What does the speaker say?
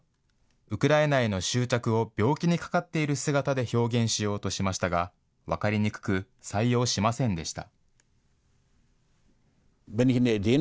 ウクライナへの執着を病気にかかっている姿で表現しようとしましたが、分かりにくく、採用しませんでした。